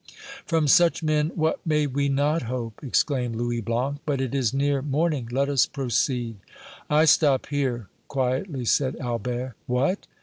"From such men what may we not hope!" exclaimed Louis Blanc. "But it is near morning; let us proceed." "I stop here," quietly said Albert. "What!